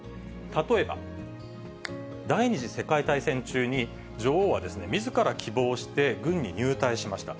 例えば、第２次世界大戦中に、女王はみずから希望して軍に入隊しました。